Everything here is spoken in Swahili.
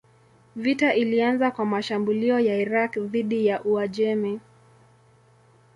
Vita ilianza kwa mashambulio ya Irak dhidi ya Uajemi.